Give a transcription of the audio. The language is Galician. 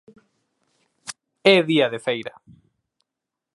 É día de feira.